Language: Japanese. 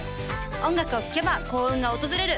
音楽を聴けば幸運が訪れる